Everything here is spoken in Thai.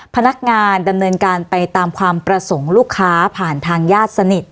พนักงานดำเนินการไปตามความประสงค์ลูกค้าผ่านทางญาติสนิท